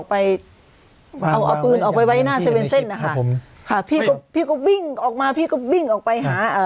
ไปไว้หน้าเซเวนเซ็นต์นะคะพี่ก็วิ่งออกมาพี่ก็วิ่งออกไปหา